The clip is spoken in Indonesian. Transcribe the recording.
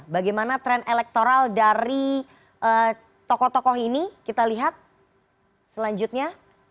bagaimana tren elektoral dari tokoh tokoh ini kita lihat selanjutnya